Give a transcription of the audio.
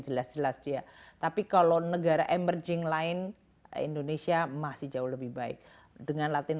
jelas jelas dia tapi kalau negara emerging lain indonesia masih jauh lebih baik dengan latin